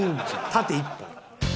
縦１本。